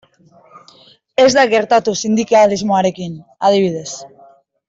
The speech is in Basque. Ez da gertatu sindikalismoarekin, adibidez.